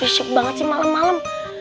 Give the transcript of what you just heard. yusyuk banget sih malam malam